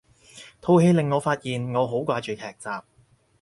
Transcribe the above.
套戲令我發現我好掛住劇集